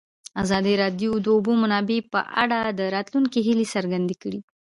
ازادي راډیو د د اوبو منابع په اړه د راتلونکي هیلې څرګندې کړې.